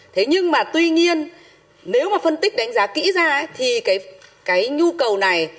thế nhưng mà tuy nhiên nếu mà phân tích đánh giá kỹ ra thì cái nhu cầu này